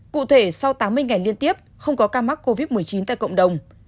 cụ thể sau tám mươi ngày liên tiếp không có ca mắc covid một mươi chín tại cộng đồng